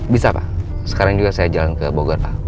bisa pak sekarang juga saya jalan ke bogor pak